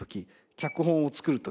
脚本を作る時。